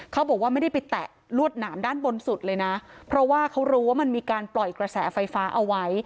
เขาบอกว่าไม่ได้ไปแตะลวดหนามด้านบนสุดเลยนะเพราะว่าเขารู้ว่ามันมีการปล่อยกระแสไฟฟ้าเอาไว้